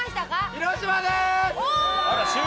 広島です！